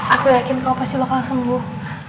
aku yakin kau pasti bakal sembuh